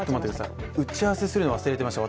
打ち合わせするのを忘れていました。